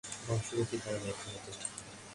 বংশগতির দ্বারা ব্যাখ্যা যথেষ্ট নয়।